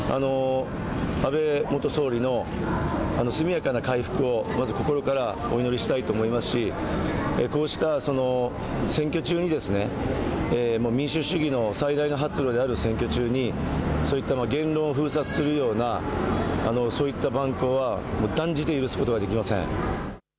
安倍元総理の速やかな回復を、まず心からお祈りしたいと思いますし、こうした選挙中に、民主主義の最大の発露である選挙中に、そういった言論を封殺するような、そういった蛮行は、もう断じて許すことはできません。